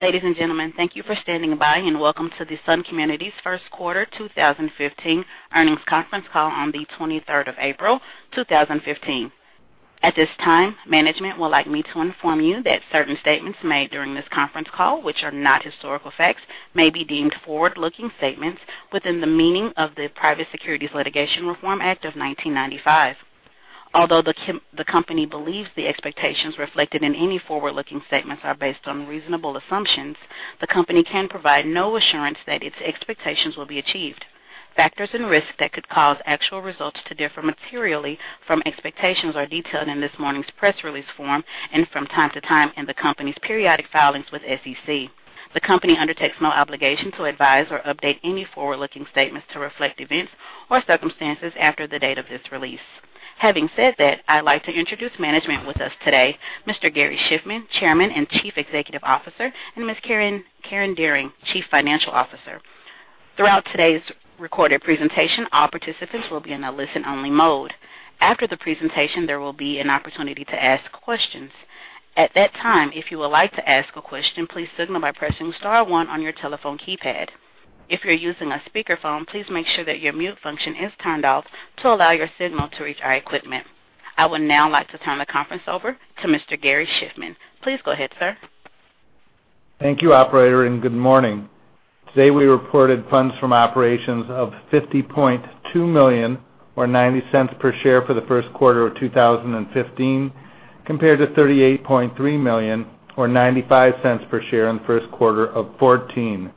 Ladies and gentlemen, thank you for standing by, and welcome to the Sun Communities First Quarter 2015 Earnings Conference Call on the 23rd of April, 2015. At this time, management would like me to inform you that certain statements made during this conference call, which are not historical facts, may be deemed forward-looking statements within the meaning of the Private Securities Litigation Reform Act of 1995. Although the company believes the expectations reflected in any forward-looking statements are based on reasonable assumptions, the company can provide no assurance that its expectations will be achieved. Factors and risks that could cause actual results to differ materially from expectations are detailed in this morning's press release form and from time to time in the company's periodic filings with SEC. The company undertakes no obligation to advise or update any forward-looking statements to reflect events or circumstances after the date of this release. Having said that, I'd like to introduce management with us today, Mr. Gary Shiffman, Chairman and Chief Executive Officer, and Ms. Karen Dearing, Chief Financial Officer. Throughout today's recorded presentation, all participants will be in a listen-only mode. After the presentation, there will be an opportunity to ask questions. At that time, if you would like to ask a question, please signal by pressing star one on your telephone keypad. If you're using a speakerphone, please make sure that your mute function is turned off to allow your signal to reach our equipment. I would now like to turn the conference over to Mr. Gary Shiffman. Please go ahead, sir. Thank you, operator, and good morning. Today, we reported funds from operations of $50.2 million, or $0.90 per share for the first quarter of 2015, compared to $38.3 million, or $0.95 per share in the first quarter of 2014.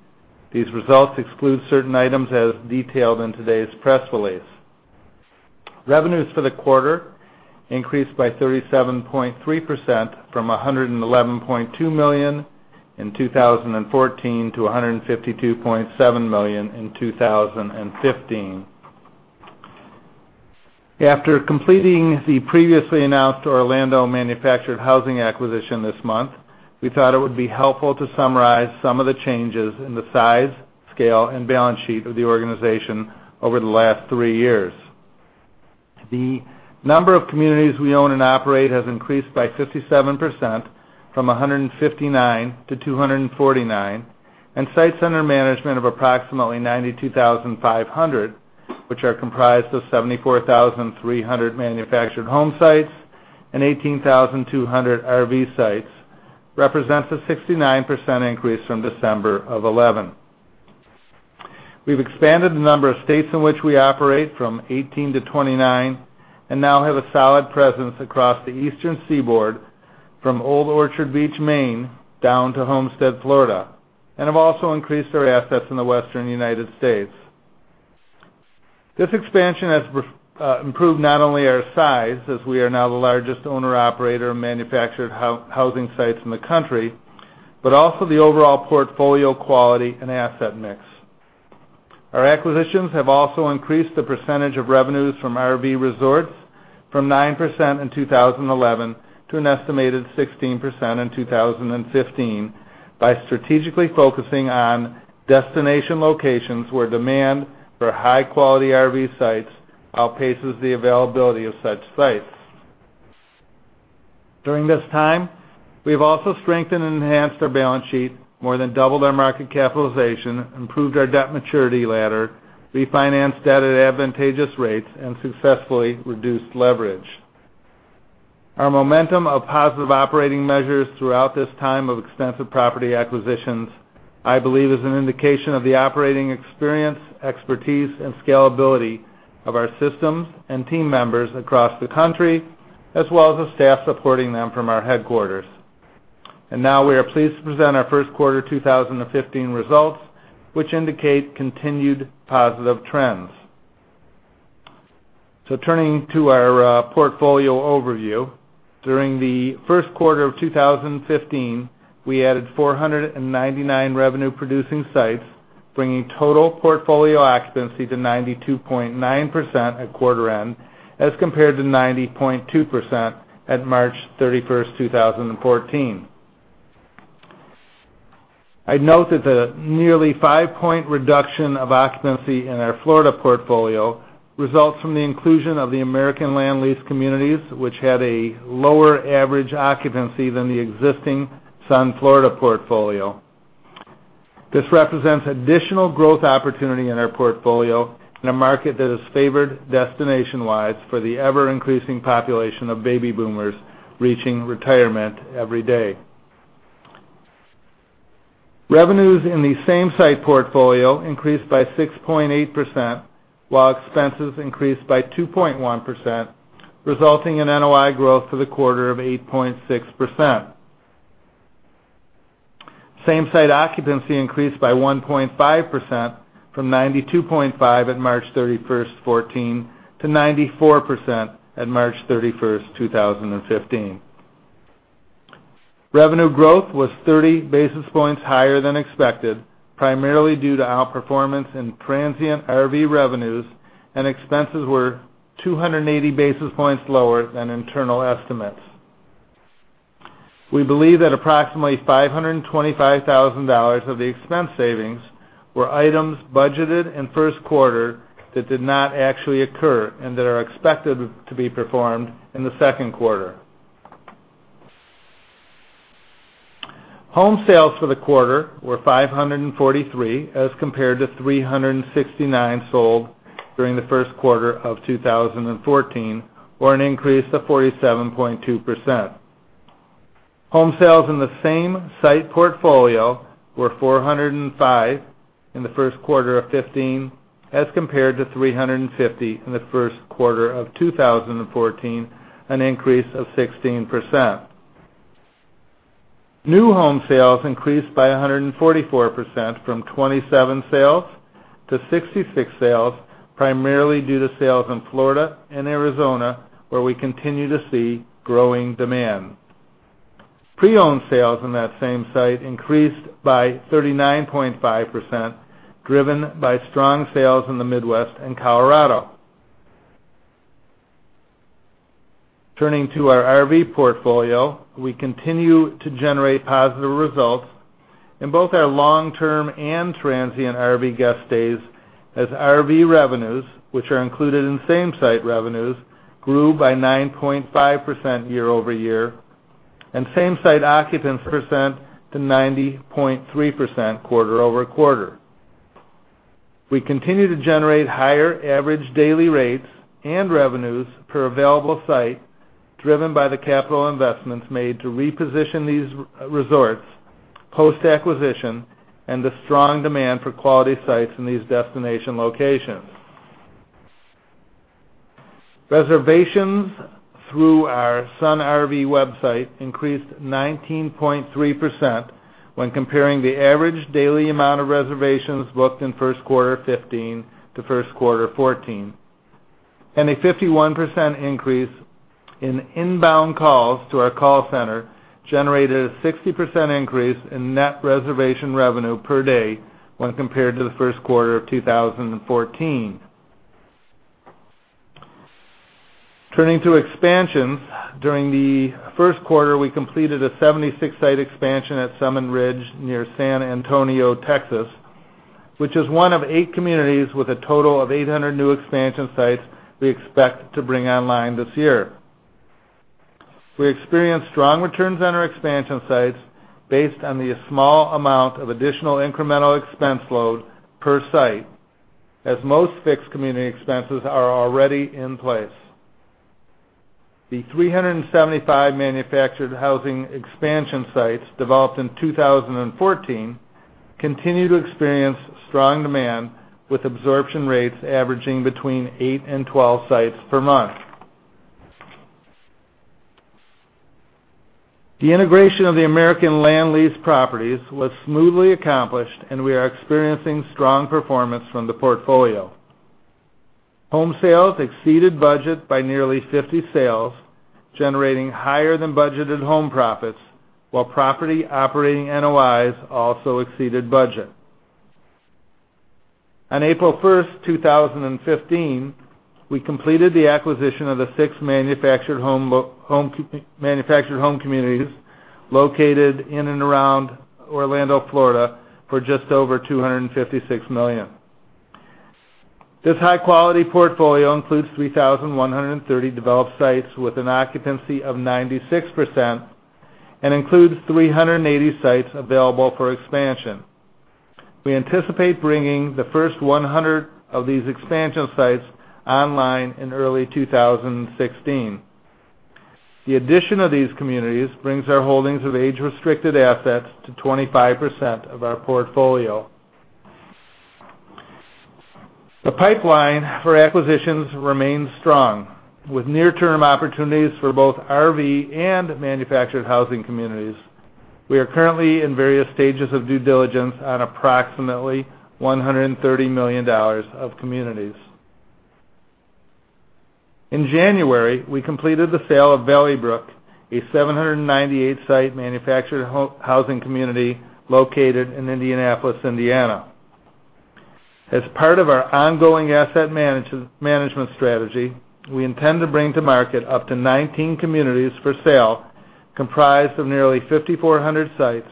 These results exclude certain items, as detailed in today's press release. Revenues for the quarter increased by 37.3% from $111.2 million in 2014 to $152.7 million in 2015. After completing the previously announced Orlando manufactured housing acquisition this month, we thought it would be helpful to summarize some of the changes in the size, scale, and balance sheet of the organization over the last three years. The number of communities we own and operate has increased by 57% from 159 to 249, and sites under management of approximately 92,500, which are comprised of 74,300 manufactured home sites and 18,200 RV sites, represents a 69% increase from December 2011. We've expanded the number of states in which we operate from 18 to 29 and now have a solid presence across the Eastern Seaboard, from Old Orchard Beach, Maine, down to Homestead, Florida, and have also increased our assets in the Western United States. This expansion has improved not only our size, as we are now the largest owner/operator of manufactured housing sites in the country, but also the overall portfolio quality and asset mix. Our acquisitions have also increased the percentage of revenues from RV resorts from 9% in 2011 to an estimated 16% in 2015 by strategically focusing on destination locations where demand for high-quality RV sites outpaces the availability of such sites. During this time, we've also strengthened and enhanced our balance sheet, more than doubled our market capitalization, improved our debt maturity ladder, refinanced debt at advantageous rates, and successfully reduced leverage. Our momentum of positive operating measures throughout this time of extensive property acquisitions, I believe, is an indication of the operating experience, expertise, and scalability of our systems and team members across the country, as well as the staff supporting them from our headquarters. Now, we are pleased to present our first quarter 2015 results, which indicate continued positive trends. Turning to our portfolio overview. During the first quarter of 2015, we added 499 revenue-producing sites, bringing total portfolio occupancy to 92.9% at quarter end, as compared to 90.2% at March 31, 2014. I'd note that the nearly 5-point reduction of occupancy in our Florida portfolio results from the inclusion of the American Land Lease communities, which had a lower average occupancy than the existing Sun Florida portfolio. This represents additional growth opportunity in our portfolio in a market that is favored destination-wise for the ever-increasing population of Baby Boomers reaching retirement every day. Revenues in the same-site portfolio increased by 6.8%, while expenses increased by 2.1%, resulting in NOI growth for the quarter of 8.6%. Same-site occupancy increased by 1.5% from 92.5 at March 31, 2014, to 94% at March 31, 2015. Revenue growth was 30 basis points higher than expected, primarily due to outperformance in transient RV revenues, and expenses were 280 basis points lower than internal estimates. We believe that approximately $525,000 of the expense savings were items budgeted in first quarter that did not actually occur and that are expected to be performed in the second quarter. Home sales for the quarter were 543, as compared to 369 sold during the first quarter of 2014, or an increase of 47.2%. Home sales in the same-site portfolio were 405 in the first quarter of 2015, as compared to 350 in the first quarter of 2014, an increase of 16%. New home sales increased by 144%, from 27 sales to 66 sales, primarily due to sales in Florida and Arizona, where we continue to see growing demand. Pre-owned sales in that same-site increased by 39.5%, driven by strong sales in the Midwest and Colorado. Turning to our RV portfolio, we continue to generate positive results in both our long-term and transient RV guest stays, as RV revenues, which are included in same-site revenues, grew by 9.5% year-over-year, and same-site occupancy percent to 90.3% quarter-over-quarter. We continue to generate higher average daily rates and revenues per available site, driven by the capital investments made to reposition these resorts, post-acquisition, and the strong demand for quality sites in these destination locations. Reservations through our Sun RV website increased 19.3% when comparing the average daily amount of reservations booked in first quarter of 2015 to first quarter of 2014. A 51% increase in inbound calls to our call center generated a 60% increase in net reservation revenue per day when compared to the first quarter of 2014. Turning to expansions, during the first quarter, we completed a 76-site expansion at Summit Ridge near San Antonio, Texas, which is one of 8 communities with a total of 800 new expansion sites we expect to bring online this year. We experienced strong returns on our expansion sites based on the small amount of additional incremental expense load per site, as most fixed community expenses are already in place. The 375 manufactured housing expansion sites developed in 2014 continue to experience strong demand, with absorption rates averaging between eight and 12 sites per month. The integration of the American Land Lease properties was smoothly accomplished, and we are experiencing strong performance from the portfolio. Home sales exceeded budget by nearly 50 sales, generating higher than budgeted home profits, while property operating NOIs also exceeded budget. On April 1, 2015, we completed the acquisition of the six manufactured home communities located in and around Orlando, Florida, for just over $256 million. This high-quality portfolio includes 3,130 developed sites with an occupancy of 96% and includes 380 sites available for expansion. We anticipate bringing the first 100 of these expansion sites online in early 2016. The addition of these communities brings our holdings of age-restricted assets to 25% of our portfolio. The pipeline for acquisitions remains strong, with near-term opportunities for both RV and manufactured housing communities. We are currently in various stages of due diligence on approximately $130 million of communities. In January, we completed the sale of Valley Brook, a 798-site manufactured housing community located in Indianapolis, Indiana. As part of our ongoing asset management strategy, we intend to bring to market up to 19 communities for sale, comprised of nearly 5,400 sites,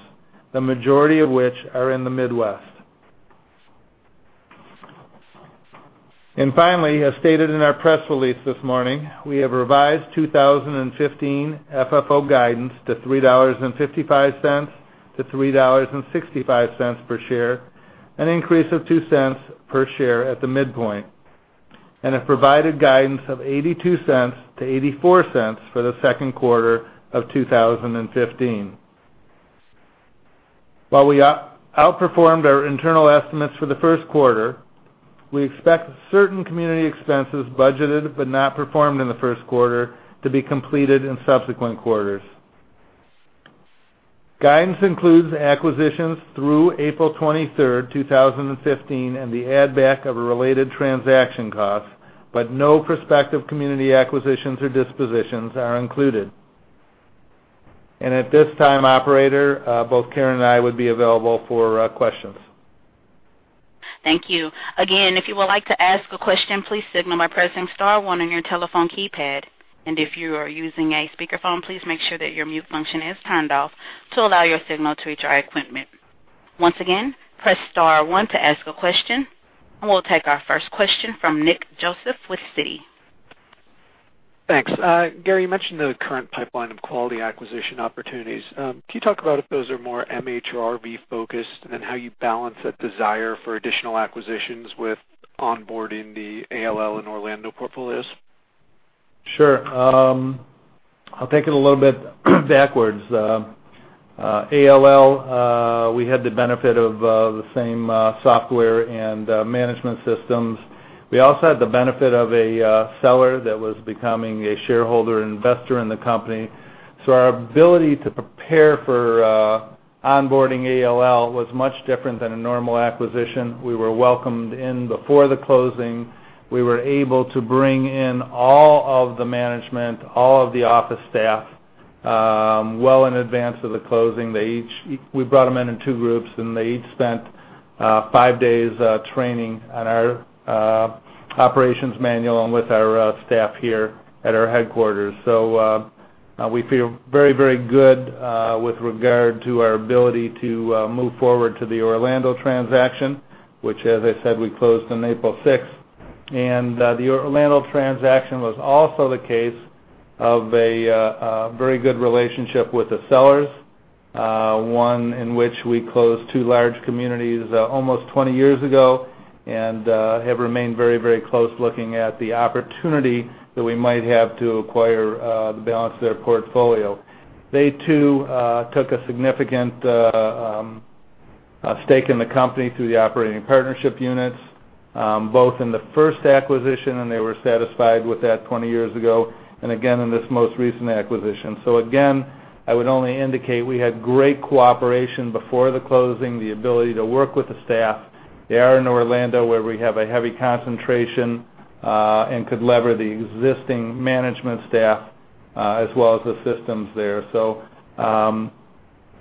the majority of which are in the Midwest. Finally, as stated in our press release this morning, we have revised 2015 FFO guidance to $3.55-$3.65 per share, an increase of $0.02 per share at the midpoint, and have provided guidance of $0.82-$0.84 for the second quarter of 2015. While we outperformed our internal estimates for the first quarter, we expect certain community expenses budgeted but not performed in the first quarter to be completed in subsequent quarters. Guidance includes acquisitions through April 23, 2015, and the add back of a related transaction cost, but no prospective community acquisitions or dispositions are included. At this time, operator, both Karen and I would be available for questions. Thank you. Again, if you would like to ask a question, please signal by pressing star one on your telephone keypad. If you are using a speakerphone, please make sure that your mute function is turned off to allow your signal to reach our equipment. Once again, press star one to ask a question. We'll take our first question from Nick Joseph with Citi. Thanks. Gary, you mentioned the current pipeline of quality acquisition opportunities. Can you talk about if those are more MH or RV focused, and then how you balance that desire for additional acquisitions with onboarding the ALL and Orlando portfolios? Sure. I'll take it a little bit backwards. ALL, we had the benefit of the same software and management systems. We also had the benefit of a seller that was becoming a shareholder investor in the company. So our ability to prepare for onboarding ALL was much different than a normal acquisition. We were welcomed in before the closing. We were able to bring in all of the management, all of the office staff, well in advance of the closing. We brought them in in two groups, and they each spent five days training on our operations manual and with our staff here at our headquarters. We feel very, very good with regard to our ability to move forward to the Orlando transaction, which, as I said, we closed on April sixth. The Orlando transaction was also the case of a very good relationship with the sellers, one in which we closed two large communities almost 20 years ago and have remained very, very close, looking at the opportunity that we might have to acquire the balance of their portfolio. They, too, took a significant stake in the company through the operating partnership units, both in the first acquisition, and they were satisfied with that 20 years ago, and again, in this most recent acquisition. Again, I would only indicate we had great cooperation before the closing, the ability to work with the staff. They are in Orlando, where we have a heavy concentration, and could leverage the existing management staff, as well as the systems there. So,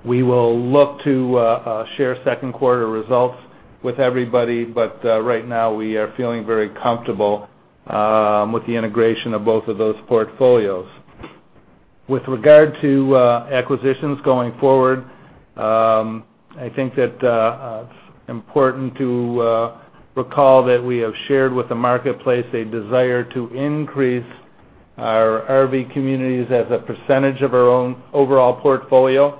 we will look to share second quarter results with everybody, but right now, we are feeling very comfortable with the integration of both of those portfolios. With regard to acquisitions going forward, I think that it's important to recall that we have shared with the marketplace a desire to increase our RV communities as a percentage of our own overall portfolio.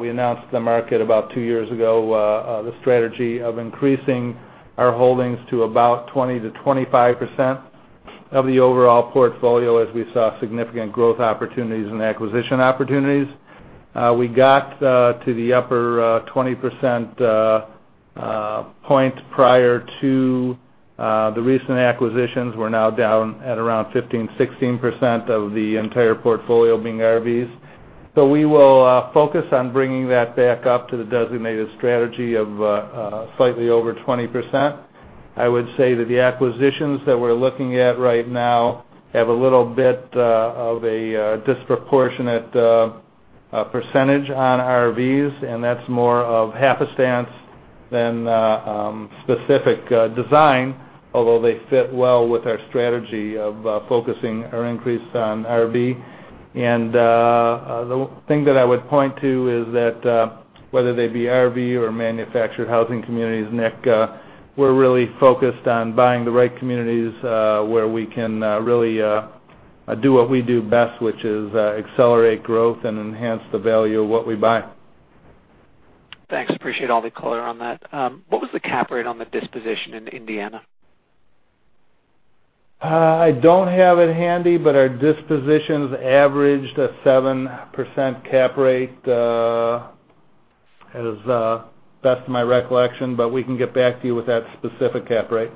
We announced to the market about two years ago the strategy of increasing our holdings to about 20%-25% of the overall portfolio as we saw significant growth opportunities and acquisition opportunities. We got to the upper 20% point prior to the recent acquisitions. We're now down at around 15%-16% of the entire portfolio being RVs. So we will focus on bringing that back up to the designated strategy of slightly over 20%. I would say that the acquisitions that we're looking at right now have a little bit of a disproportionate percentage on RVs, and that's more of happenstance than specific design, although they fit well with our strategy of focusing our increase on RV. The thing that I would point to is that whether they be RV or manufactured housing communities, Nick, we're really focused on buying the right communities where we can really do what we do best, which is accelerate growth and enhance the value of what we buy. Thanks. Appreciate all the color on that. What was the cap rate on the disposition in Indiana? I don't have it handy, but our dispositions averaged a 7% cap rate, as best of my recollection, but we can get back to you with that specific cap rate.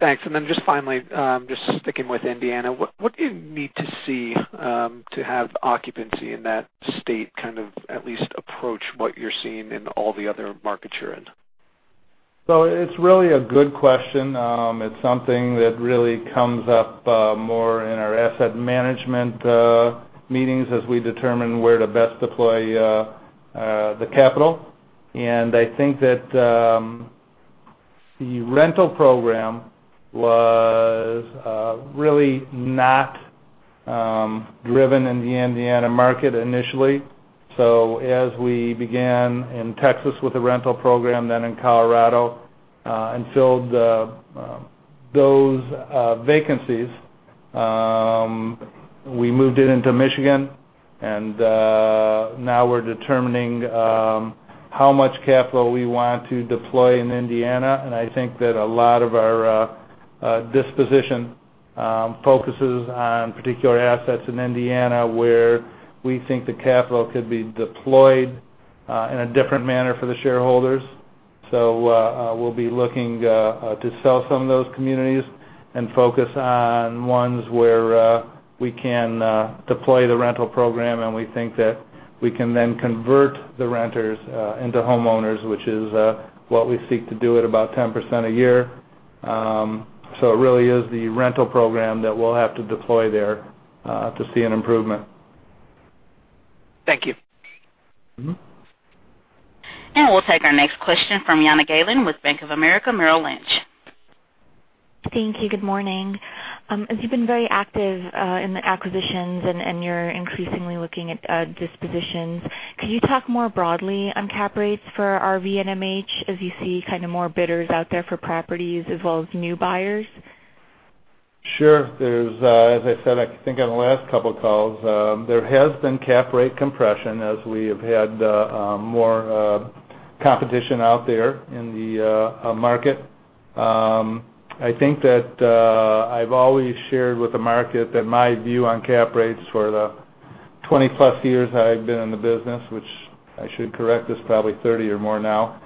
Thanks. Then just finally, just sticking with Indiana, what do you need to see to have occupancy in that state, kind of at least approach what you're seeing in all the other markets you're in? So it's really a good question. It's something that really comes up more in our asset management meetings as we determine where to best deploy the capital. And I think that the rental program was really not driven in the Indiana market initially. So as we began in Texas with the rental program, then in Colorado and filled those vacancies, we moved it into Michigan, and now we're determining how much capital we want to deploy in Indiana. And I think that a lot of our disposition focuses on particular assets in Indiana, where we think the capital could be deployed in a different manner for the shareholders. So, we'll be looking to sell some of those communities and focus on ones where we can deploy the rental program, and we think that we can then convert the renters into homeowners, which is what we seek to do at about 10% a year. So it really is the rental program that we'll have to deploy there to see an improvement. Thank you. We'll take our next question from Jana Galan with Bank of America Merrill Lynch. Thank you. Good morning. As you've been very active in the acquisitions, and you're increasingly looking at dispositions, could you talk more broadly on cap rates for RV and MH as you see kind of more bidders out there for properties as well as new buyers? Sure. There's, as I said, I think on the last couple of calls, there has been cap rate compression as we have had, more, competition out there in the, market. I think that, I've always shared with the market that my view on cap rates for the 20-plus years I've been in the business, which I should correct, is probably 30 or more now.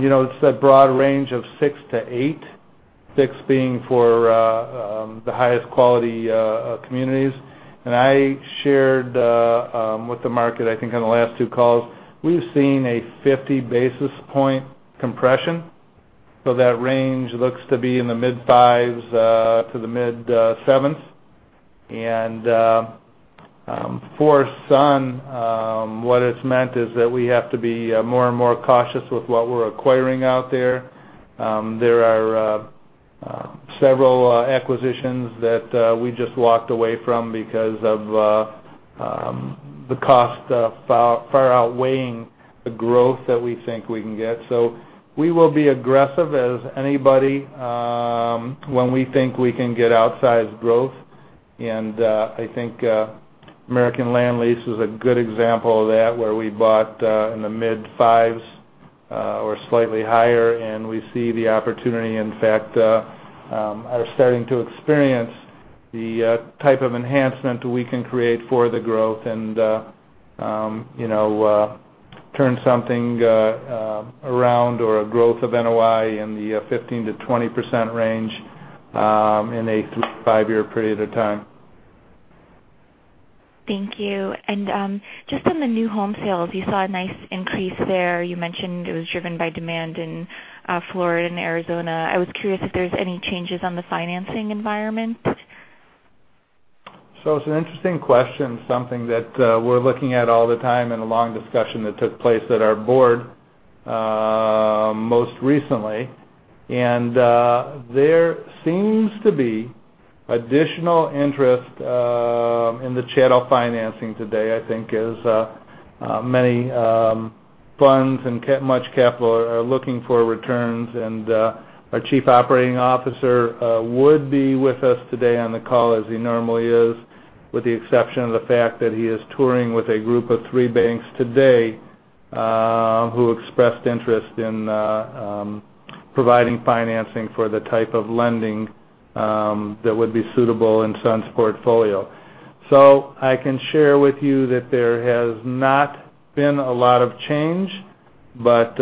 You know, it's that broad range of six to eight, six being for, the highest quality, communities. And I shared, with the market, I think on the last two calls, we've seen a 50 basis point compression, so that range looks to be in the mid-five, to the mid-,seven. For Sun, what it's meant is that we have to be more and more cautious with what we're acquiring out there. There are several acquisitions that we just walked away from because of the cost far, far outweighing the growth that we think we can get. So we will be aggressive as anybody when we think we can get outsized growth. I think American Land Lease is a good example of that, where we bought in the mid-fives or slightly higher, and we see the opportunity. In fact, are starting to experience the type of enhancement we can create for the growth and, you know, turn something around, or a growth of NOI in the 15%-20% range, in a three to five year period of time. Thank you. Just on the new home sales, you saw a nice increase there. You mentioned it was driven by demand in Florida and Arizona. I was curious if there's any changes on the financing environment? So it's an interesting question, something that we're looking at all the time in a long discussion that took place at our board most recently. There seems to be additional interest in the shadow financing today, I think, as many funds and much capital are looking for returns. Our Chief Operating Officer would be with us today on the call, as he normally is, with the exception of the fact that he is touring with a group of three banks today who expressed interest in providing financing for the type of lending that would be suitable in Sun's portfolio. So I can share with you that there has not been a lot of change, but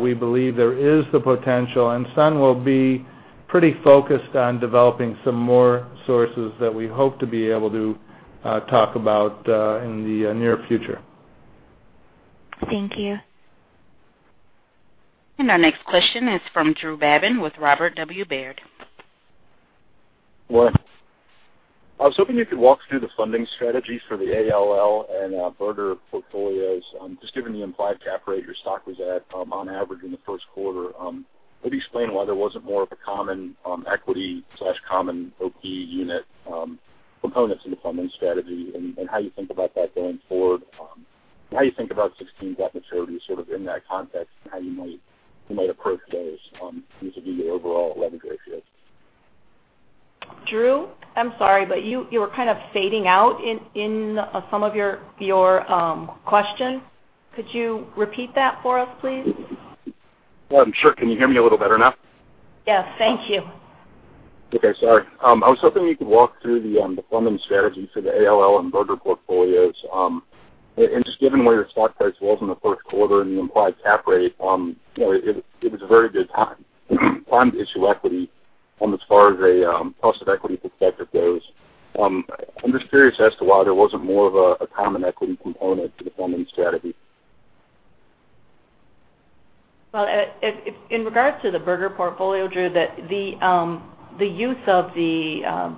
we believe there is the potential, and Sun will be pretty focused on developing some more sources that we hope to be able to talk about in the near future. Thank you. Our next question is from Drew Babin with Robert W. Baird. Well, I was hoping you could walk through the funding strategy for the ALL and Burger portfolios. Just given the implied cap rate your stock was at, on average in the first quarter, could you explain why there wasn't more of a common equity slash common OP unit components in the funding strategy, and how you think about that going forward? How you think about 16 debt maturities, sort of in that context, and how you might approach those, usually the overall leverage ratios? Drew, I'm sorry, but you were kind of fading out in some of your questions. Could you repeat that for us, please? Well, I'm sure. Can you hear me a little better now? Yes. Thank you. Okay. Sorry. I was hoping you could walk through the funding strategy for the ALL and Burger portfolios. And just given where your stock price was in the first quarter and the implied cap rate, you know, it was a very good time to issue equity, as far as a cost of equity perspective goes. I'm just curious as to why there wasn't more of a common equity component to the funding strategy. Well, in regards to the Burger portfolio, Drew, the use of the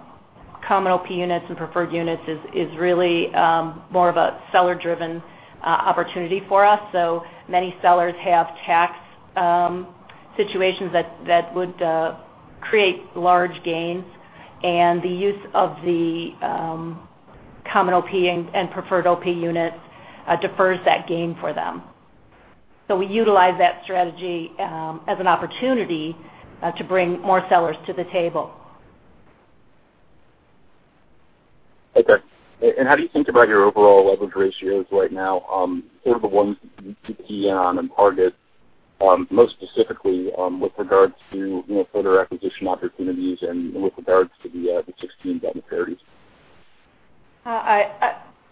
common OP units and preferred units is really more of a seller-driven opportunity for us. So many sellers have tax situations that would create large gains, and the use of the common OP and preferred OP units defers that gain for them. So we utilize that strategy as an opportunity to bring more sellers to the table. Okay. How do you think about your overall leverage ratios right now, sort of the ones to key in on and target, most specifically, with regard to, you know, further acquisition opportunities and with regards to the 16 debt maturities?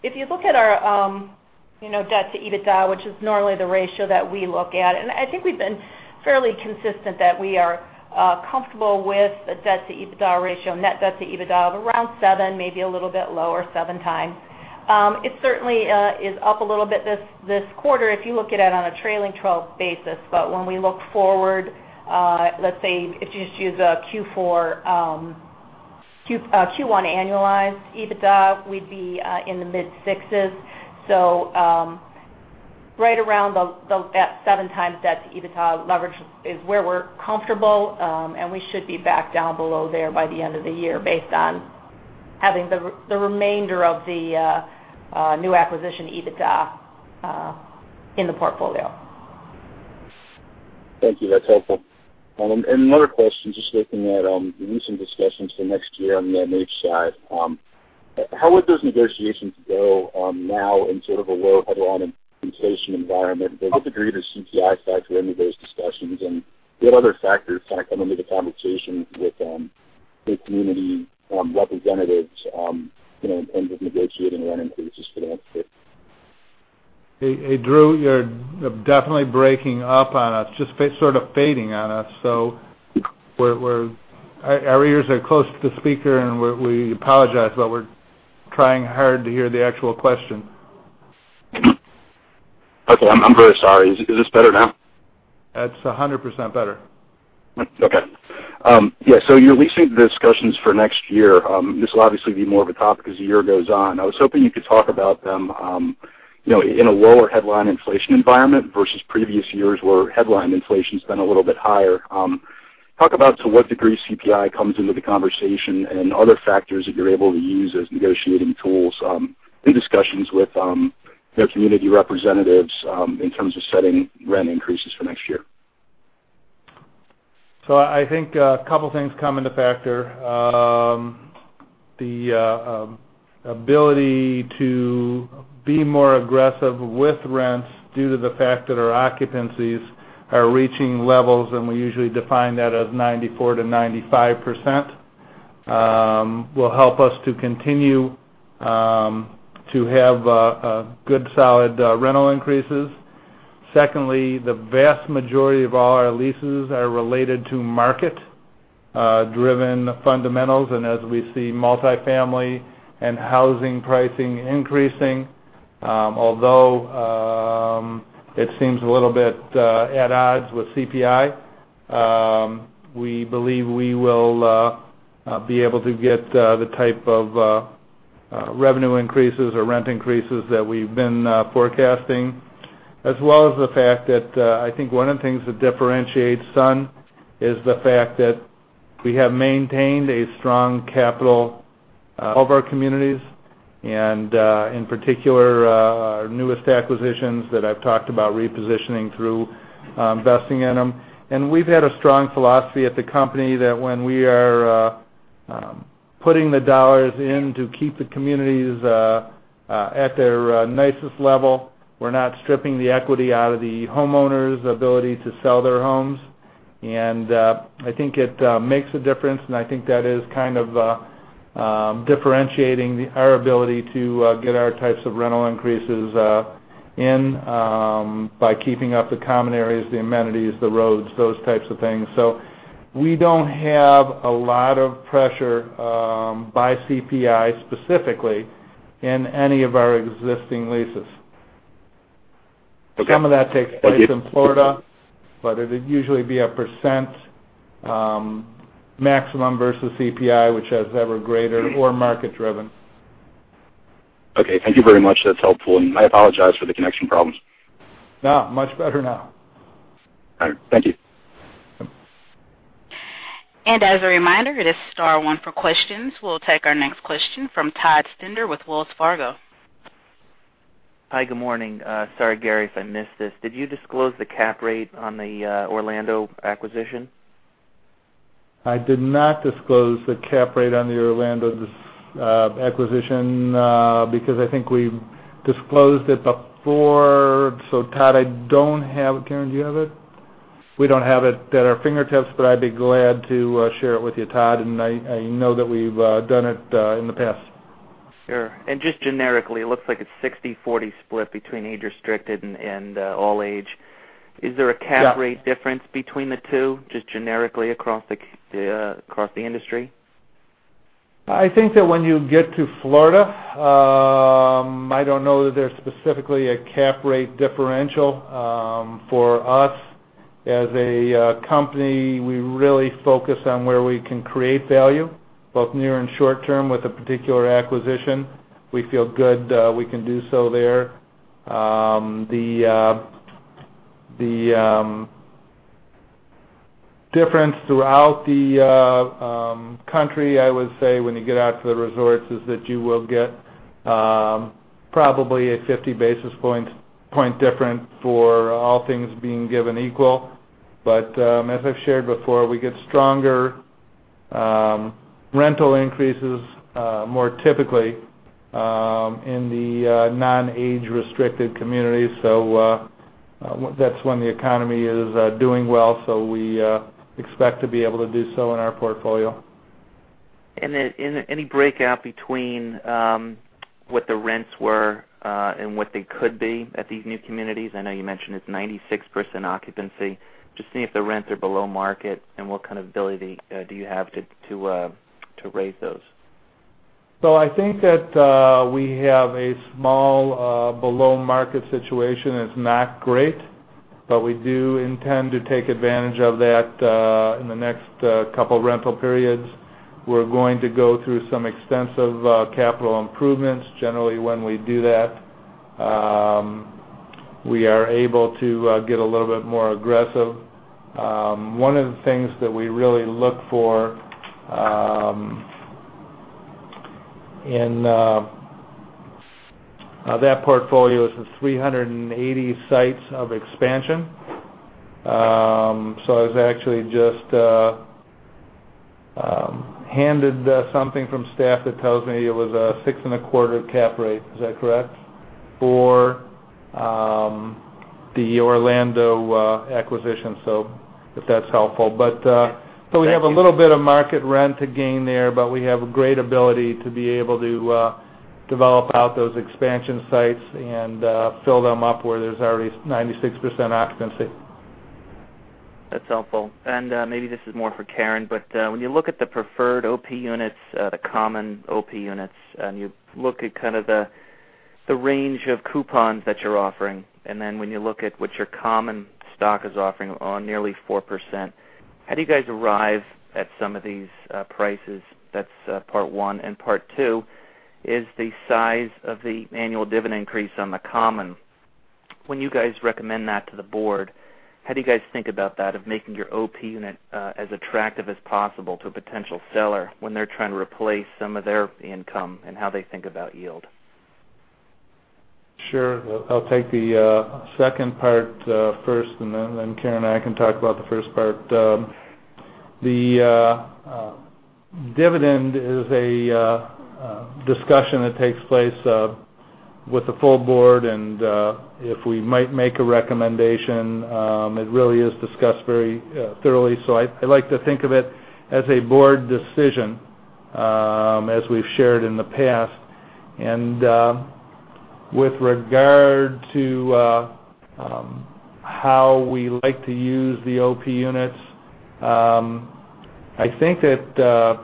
If you look at our, you know, debt to EBITDA, which is normally the ratio that we look at, and I think we've been fairly consistent, that we are comfortable with the debt to EBITDA ratio, net debt to EBITDA of around seven, maybe a little bit lower, seven times. It certainly is up a little bit this quarter if you look at it on a trailing twelve basis. But when we look forward, let's say if you just use Q1 annualized EBITDA, we'd be in the mid-6s. So, right around 7x that EBITDA leverage is where we're comfortable. And we should be back down below there by the end of the year, based on having the remainder of the new acquisition EBITDA in the portfolio. Thank you. That's helpful. And another question, just looking at the recent discussions for next year on the MH side, how would those negotiations go now in sort of a low headline inflation environment? What degree does CPI factor into those discussions, and what other factors kind of come into the conversation with the community representatives, you know, in terms of negotiating rent increases for the next year? Hey, Drew, you're definitely breaking up on us, just sort of fading on us. So we're, our ears are close to the speaker, and we apologize, but we're trying hard to hear the actual question. Okay, I'm very sorry. Is this better now? That's 100% better. Okay. Yeah, so you're leading the discussions for next year. This will obviously be more of a topic as the year goes on. I was hoping you could talk about them, you know, in a lower headline inflation environment versus previous years, where headline inflation's been a little bit higher. Talk about to what degree CPI comes into the conversation and other factors that you're able to use as negotiating tools, in discussions with the community representatives, in terms of setting rent increases for next year. So I think a couple things come into factor. The ability to be more aggressive with rents due to the fact that our occupancies are reaching levels, and we usually define that as 94%-95%, will help us to continue to have a good, solid rental increases. Secondly, the vast majority of all our leases are related to market driven fundamentals, and as we see multifamily and housing pricing increasing, although it seems a little bit at odds with CPI, we believe we will be able to get the type of revenue increases or rent increases that we've been forecasting. As well as the fact that, I think one of the things that differentiates Sun is the fact that we have maintained a strong capital of our communities, and, in particular, our newest acquisitions that I've talked about repositioning through investing in them. And we've had a strong philosophy at the company that when we are putting the dollars in to keep the communities at their nicest level, we're not stripping the equity out of the homeowners' ability to sell their homes. And, I think it makes a difference, and I think that is kind of differentiating our ability to get our types of rental increases in by keeping up the common areas, the amenities, the roads, those types of things. So we don't have a lot of pressure, by CPI, specifically, in any of our existing leases. Okay. Some of that takes place in Florida, but it'd usually be 1%, maximum versus CPI, whichever is greater or market driven. Okay. Thank you very much. That's helpful, and I apologize for the connection problems. Now, much better now. All right, thank you. As a reminder, it is star one for questions. We'll take our next question from Todd Stender with Wells Fargo. Hi, good morning. Sorry, Gary, if I missed this. Did you disclose the cap rate on the Orlando acquisition? I did not disclose the cap rate on the Orlando acquisition, because I think we've disclosed it before. So Todd, I don't have it. Karen, do you have it? We don't have it at our fingertips, but I'd be glad to share it with you, Todd, and I know that we've done it in the past. Sure. And just generically, it looks like it's 60/40 split between age-restricted and all-age. Yeah. Is there a cap rate difference between the two, just generically across the industry? I think that when you get to Florida, I don't know that there's specifically a cap rate differential. For us, as a company, we really focus on where we can create value, both near and short term, with a particular acquisition. We feel good, we can do so there. The difference throughout the country, I would say, when you get out to the resorts, is that you will get, probably a 50 basis point point difference for all things being given equal. But, as I've shared before, we get stronger rental increases, more typically, in the non-age-restricted communities. So, that's when the economy is doing well, so we expect to be able to do so in our portfolio. And then, any breakout between what the rents were and what they could be at these new communities? I know you mentioned it's 96% occupancy. Just seeing if the rents are below market, and what kind of ability do you have to raise those? So I think that, we have a small, below-market situation, it's not great, but we do intend to take advantage of that, in the next, couple of rental periods. We're going to go through some extensive, capital improvements. Generally, when we do that, we are able to, get a little bit more aggressive. One of the things that we really look for, in, that portfolio is the 380 sites of expansion. So I was actually just, handed, something from staff that tells me it was a 6.25 cap rate. Is that correct? For, the Orlando, acquisition, so if that's helpful. But, Yes. Thank you. We have a little bit of market rent to gain there, but we have a great ability to be able to develop out those expansion sites and fill them up where there's already 96% occupancy. That's helpful. Maybe this is more for Karen, but when you look at the preferred OP units, the common OP units, and you look at kind of the, the range of coupons that you're offering, and then when you look at what your common stock is offering on nearly 4%, how do you guys arrive at some of these prices? That's part one, and part two is the size of the annual dividend increase on the common. When you guys recommend that to the board, how do you guys think about that, of making your OP unit as attractive as possible to a potential seller when they're trying to replace some of their income and how they think about yield? Sure. I'll take the second part first, and then Karen and I can talk about the first part. The dividend is a discussion that takes place with the full board, and if we might make a recommendation, it really is discussed very thoroughly. So I like to think of it as a board decision, as we've shared in the past. And with regard to how we like to use the OP units, I think that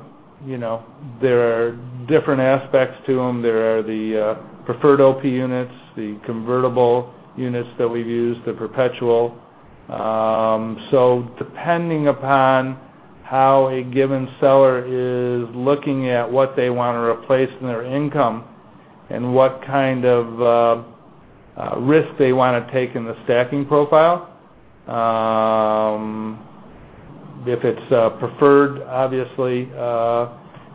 you know, there are different aspects to them. There are the preferred OP units, the convertible units that we've used, the perpetual. So depending upon how a given seller is looking at what they want to replace in their income and what kind of risk they want to take in the stacking profile, if it's preferred, obviously,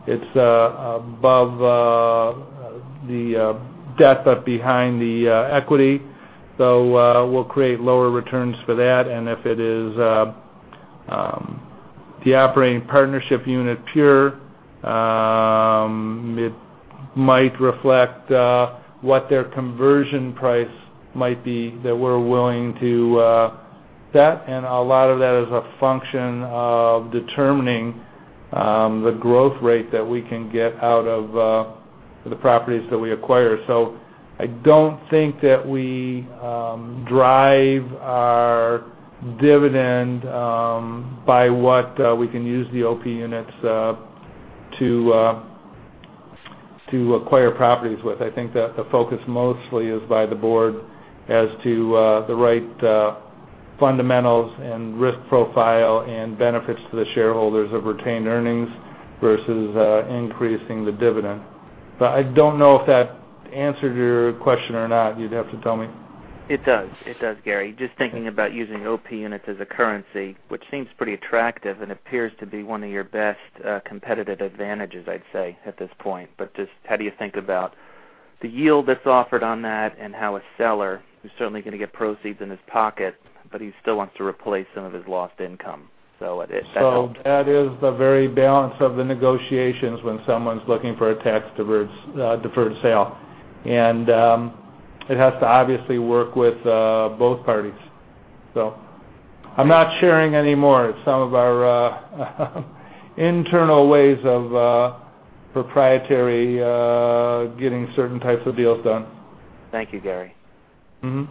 it's above the debt, but behind the equity, so we'll create lower returns for that. And if it is the Operating Partnership unit, pure, it might reflect what their conversion price might be that we're willing to set. And a lot of that is a function of determining the growth rate that we can get out of the properties that we acquire. So I don't think that we drive our dividend by what we can use the OP units to acquire properties with. I think that the focus mostly is by the board as to the right fundamentals and risk profile and benefits to the shareholders of retained earnings versus increasing the dividend. But I don't know if that answered your question or not. You'd have to tell me. It does. It does, Gary. Just thinking about using OP units as a currency, which seems pretty attractive and appears to be one of your best, competitive advantages, I'd say, at this point. But just how do you think about the yield that's offered on that and how a seller is certainly going to get proceeds in his pocket, but he still wants to replace some of his lost income. So if that helps. So that is the very balance of the negotiations when someone's looking for a tax-deferred sale. And it has to obviously work with both parties. So I'm not sharing any more. Some of our internal ways of proprietary getting certain types of deals done. Thank you, Gary. Mm-hmm.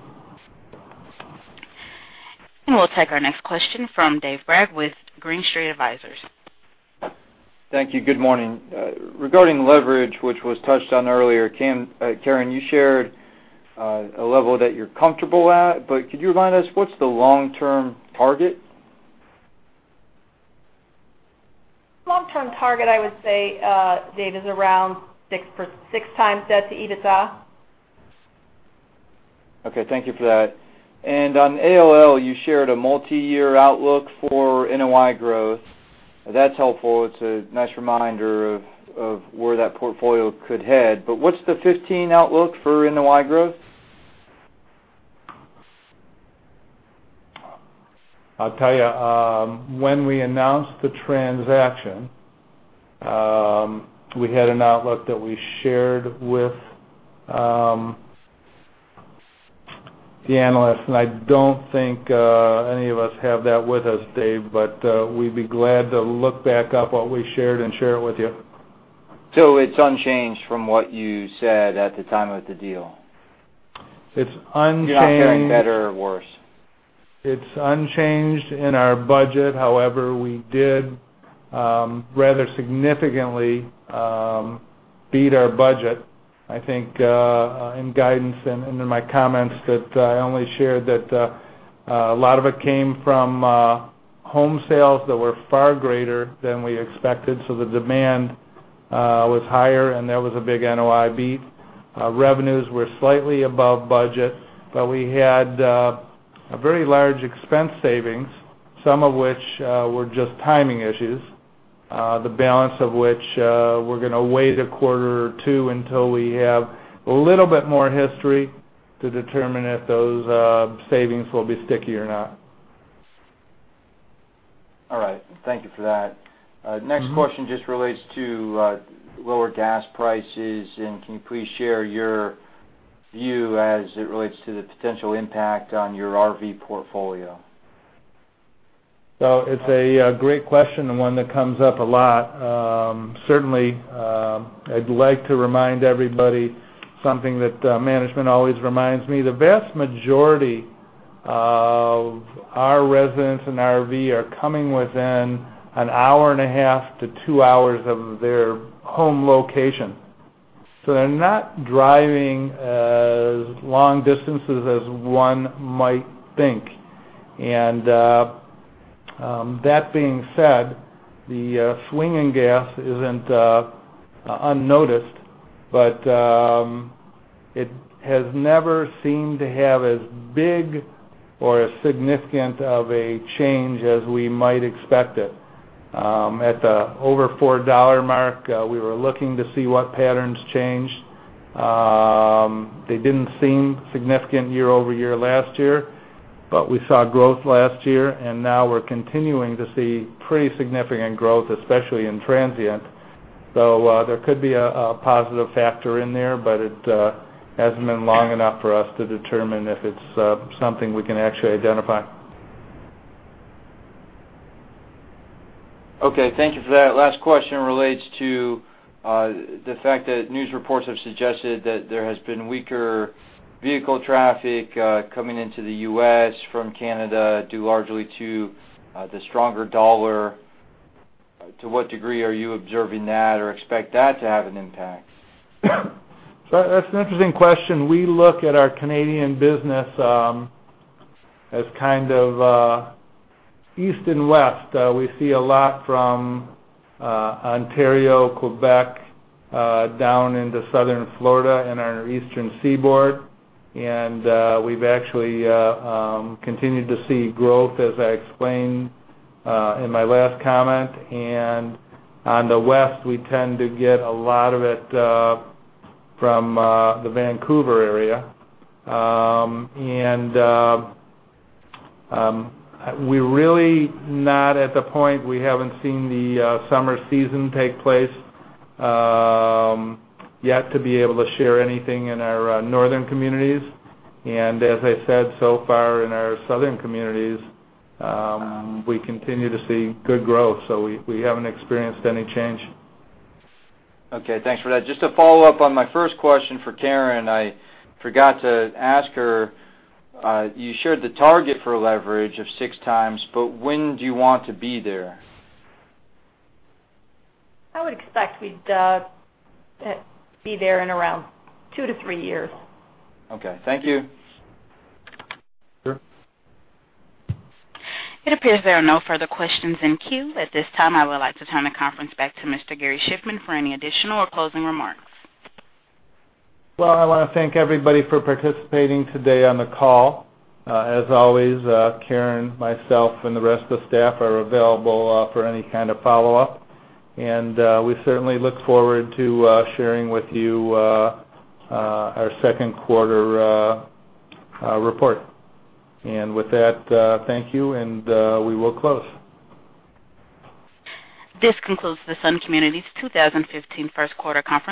We'll take our next question from David Bragg with Green Street Advisors. Thank you. Good morning. Regarding leverage, which was touched on earlier, Karen, you shared a level that you're comfortable at, but could you remind us, what's the long-term target? Long-term target, I would say, David, is around six times debt to EBITDA. Okay. Thank you for that. And on the call, you shared a multiyear outlook for NOI growth. That's helpful. It's a nice reminder of, of where that portfolio could head. But what's the 2015 outlook for NOI growth? I'll tell you, when we announced the transaction, we had an outlook that we shared with the analysts, and I don't think any of us have that with us, David, but we'd be glad to look back up what we shared and share it with you. So it's unchanged from what you said at the time of the deal? It's unchanged- You're not getting better or worse? It's unchanged in our budget. However, we did rather significantly beat our budget, I think, in guidance and under my comments that I only shared that a lot of it came from home sales that were far greater than we expected, so the demand was higher, and there was a big NOI beat. Revenues were slightly above budget, but we had a very large expense savings, some of which were just timing issues, the balance of which we're gonna wait a quarter or two until we have a little bit more history to determine if those savings will be sticky or not. All right. Thank you for that. Mm-hmm. Next question just relates to lower gas prices, and can you please share your view as it relates to the potential impact on your RV portfolio? So it's a great question, and one that comes up a lot. Certainly, I'd like to remind everybody something that management always reminds me. The vast majority of our residents in RV are coming within 1.5-2 hours of their home location, so they're not driving as long distances as one might think. And that being said, the swing in gas isn't unnoticed, but it has never seemed to have as big or as significant of a change as we might expect it. At the over $4 mark, we were looking to see what patterns changed. They didn't seem significant year-over-year last year, but we saw growth last year, and now we're continuing to see pretty significant growth, especially in transient. So, there could be a positive factor in there, but it hasn't been long enough for us to determine if it's something we can actually identify. Okay. Thank you for that. Last question relates to the fact that news reports have suggested that there has been weaker vehicle traffic coming into the U.S. from Canada, due largely to the stronger dollar. To what degree are you observing that or expect that to have an impact? So that's an interesting question. We look at our Canadian business, as kind of, east and west. We see a lot from, Ontario, Quebec, down into Southern Florida and our Eastern Seaboard. And, we've actually, continued to see growth, as I explained, in my last comment. And on the west, we tend to get a lot of it, from, the Vancouver area. And, we're really not at the point. We haven't seen the, summer season take place, yet, to be able to share anything in our, northern communities. And as I said, so far in our southern communities, we continue to see good growth, so we, we haven't experienced any change. Okay. Thanks for that. Just to follow up on my first question for Karen, I forgot to ask her, you shared the target for leverage of 6x, but when do you want to be there? I would expect we'd be there in around 2-3 years. Okay. Thank you. Sure. It appears there are no further questions in queue. At this time, I would like to turn the conference back to Mr. Gary Shiffman for any additional or closing remarks. Well, I wanna thank everybody for participating today on the call. As always, Karen, myself, and the rest of the staff are available for any kind of follow-up, and we certainly look forward to sharing with you our second quarter report. With that, thank you, and we will close. This concludes the Sun Communities 2015 first quarter conference.